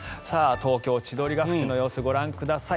東京・千鳥ヶ淵の様子ご覧ください。